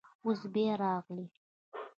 اوس بیا راغلی.